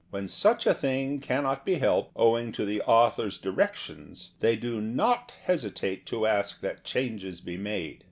When such a thing cannot be helped, owing to the author's directions, they do not hesitate to ask that changes be made.